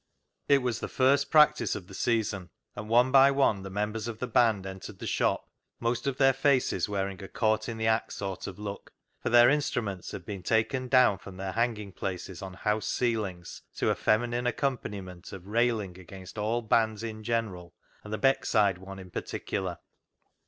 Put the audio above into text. It was the first practice of the season, and one by one the members of the band entered the shop, most of their faces wearing a caught in the act sort of look, for their instruments had been taken down from their hanging places on house ceilings to a feminine accom paniment of railing against all bands in general and the Beckside one in particular.